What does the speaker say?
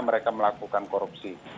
mereka melakukan korupsi